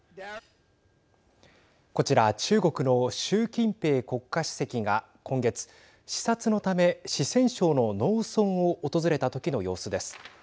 こちら中国の習近平国家主席が今月、視察のため四川省の農村を訪れたときの様子です。